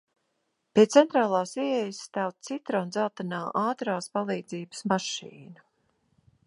Pie centrālās ieejas stāv citrondzeltenā ātrās palīdzības mašīna.